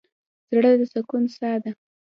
زړه د سکون څاه ده.